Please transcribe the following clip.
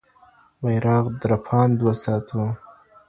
بيرغ رپاند وساتو.